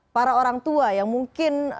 para orang tua yang mungkin